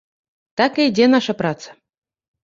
Так і ідзе наша праца.